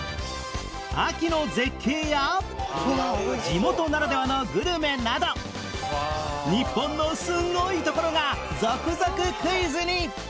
秋の絶景や地元ならではのグルメなど日本のすごいところが続々クイズに！